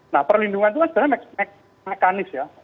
nah perlindungan itu kan sebenarnya mekanis ya